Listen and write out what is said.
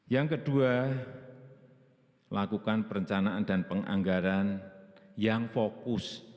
yang kedua lakukan perencanaan dan penganggaran yang fokus